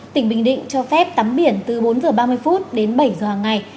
tỉnh bình định cho phép tắm biển từ bốn h ba mươi đến bảy h hàng ngày